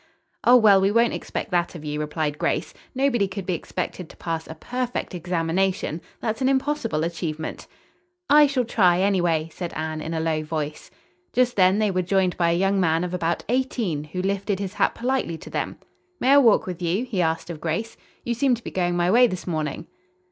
"Oh, well, we won't expect that of you," replied Grace, "Nobody could be expected to pass a perfect examination. That's an impossible achievement." "I shall try, anyway," said Anne in a low voice. Just then they were joined by a young man of about eighteen, who lifted his hat politely to them. "May I walk with you?" he asked of Grace. "You seem to be going my way this morning."